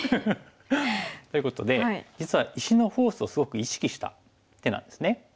ということで実は石のフォースをすごく意識した手なんですね。